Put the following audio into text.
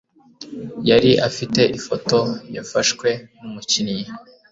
Yari afite ifoto yafashwe numukinnyi.